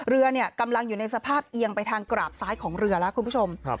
เรือกำลังอยู่ในสภาพเอียงไปทางกราบซ้ายของเรือแล้วคุณผู้ชม